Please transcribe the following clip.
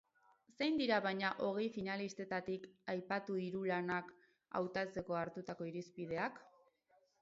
Zein dira, baina, hogei finalistetatik aipatu hiru lanak hautatzeko hartutako irizipideak?